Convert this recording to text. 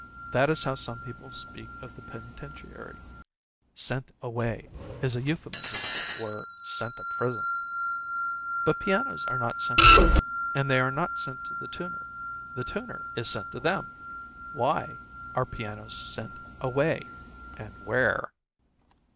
That is how some people speak of the penitentiary. "Sent away" is a euphuism for "sent to prison." But pianos are not sent to prison, and they are not sent to the tuner the tuner is sent to them. Why are pianos "sent away" and where?